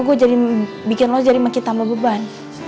gue jadi bikin lo jadi makin tambah beban